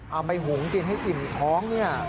เอาไปหุงกินให้อิ่มท้องเนี่ย